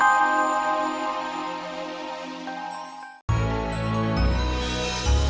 sampai jumpa lagi